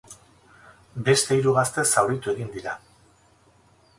Beste hiru gazte zauritu egin dira.